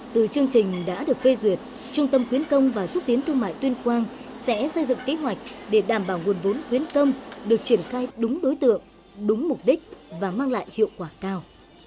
từ chương trình đã được phê duyệt trung tâm khuyến công và xúc tiến thương mại tuyên quang sẽ xây dựng kế hoạch để đảm bảo nguồn vốn khuyến công được triển khai đúng đối tượng đúng mục đích và mang lại hiệu quả cao